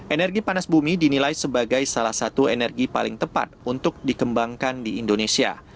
energi panas bumi dinilai sebagai salah satu energi paling tepat untuk dikembangkan di indonesia